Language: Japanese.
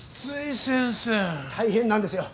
大変なんですよ。